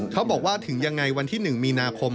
เขาบอกว่าถึงยังไงวันที่๑มีนาคม